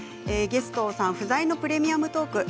ゲストさん不在の「プレミアムトーク」。